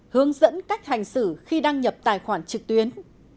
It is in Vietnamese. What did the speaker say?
hướng dẫn cách hành xử khi đăng nhập tài khoản trực tuyến